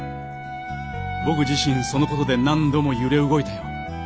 僕自身そのことで何度も揺れ動いたよ。